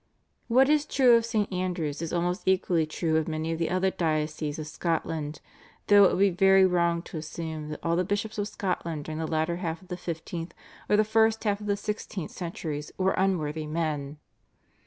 What is true of St. Andrew's is almost equally true of many of the other dioceses of Scotland, though it would be very wrong to assume that all the bishops of Scotland during the latter half of the fifteenth or the first half of the sixteenth centuries were unworthy men.